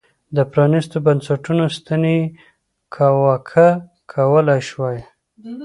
د پرانیستو بنسټونو ستنې یې کاواکه کولای شوای.